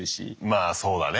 まあそうだね。